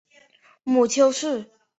母丘氏。